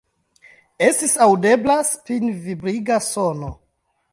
Estis aŭdebla spinvibriga sono.